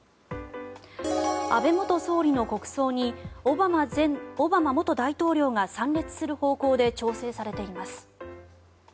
安倍元総理の国葬にオバマ元大統領が参列する方向で調整されています。